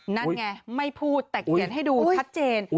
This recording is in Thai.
นั่นไงไม่พูดแต่เขียนให้ดูชัดเจน